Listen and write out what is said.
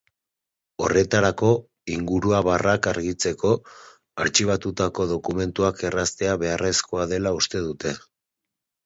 Horretarako, inguruabarrak argitzeko, artxibatutako dokumentuak erraztea beharrezkoa dela uste dute.